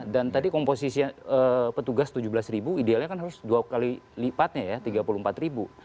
dan tadi komposisi petugas tujuh belas ribu idealnya kan harus dua kali lipatnya ya tiga puluh empat ribu